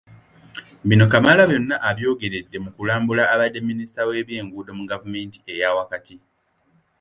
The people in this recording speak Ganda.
Bino Kamalabyonna abyogeredde mu kulambula abadde Minisita w’ebyenguudo mu gavumenti eyaawakati.